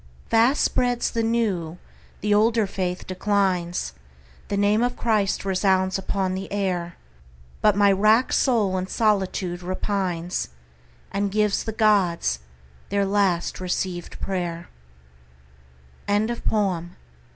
Fast spreads the new; the older faith declines. The name of Christ resounds upon the air. But my wrack'd soul in solitude repines And gives the Gods their last receivèd pray'r. Retrieved from "https://en.